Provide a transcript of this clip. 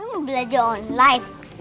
mami mau belanja online